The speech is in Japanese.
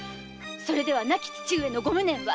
それでは亡き父上のご無念は？